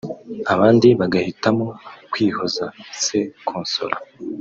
abandi bagahitamo kwihoza (se consoler)